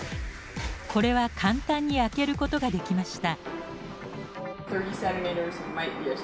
これは簡単に開けることができました。